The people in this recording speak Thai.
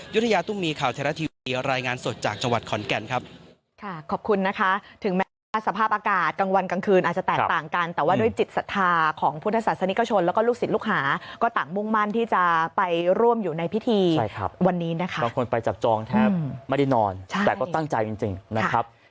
ยุธยาตุ้มีข่าวไทยรัฐทีวีรายงานสดจากจังหวัดขอนแก่นครับ